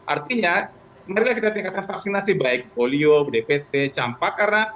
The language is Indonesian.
artinya marilah kita tingkatkan vaksinasi baik polio dpt campak karena